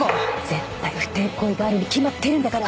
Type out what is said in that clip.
絶対不貞行為があるに決まってるんだから。